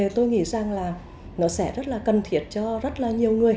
tôi nghĩ rằng nó sẽ rất là cần thiệt cho rất nhiều người